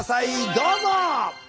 どうぞ！